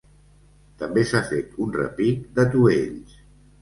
També s’ha fet un repic d’atuells.